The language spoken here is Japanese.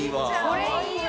これいいよ！